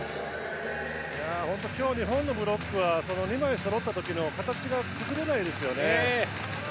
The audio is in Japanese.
今日、日本のブロックは２枚そろった時の形が崩れないですよね。